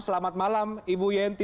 selamat malam ibu yenti